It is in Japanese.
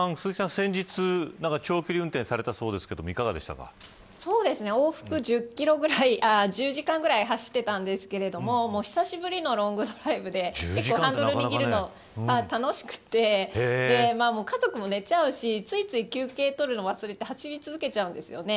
先日長距離運転をされたそうですが往復１０時間くらい走っていたんですけれども久しぶりのロングドライブでハンドルを握るのが楽しくて家族も寝ちゃうしついつい休憩を取るの忘れて走り続けちゃうんですよね。